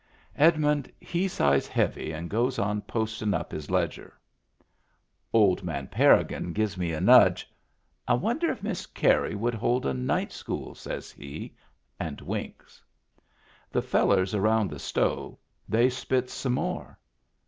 Edmund he sighs heavy and goes on postin' up his ledger. Old man Parrigin gives me a nudge. " I won der if Miss Carey would hold a night school ?" says he, and winks. The fellars around the stove they spits some more.